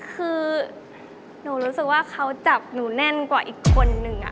คือหนูรู้สึกว่าเขาจับหนูแน่นกว่าอีกคนนึง